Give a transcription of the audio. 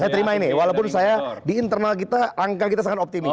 saya terima ini walaupun saya di internal kita angka kita sangat optimis